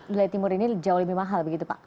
wilayah timur ini jauh lebih mahal begitu pak